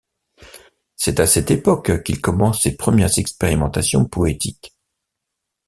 C'est à cette époque qu'il commence ses premières expérimentations poétiques.